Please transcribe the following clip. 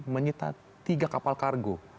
menyita tiga kapal kargo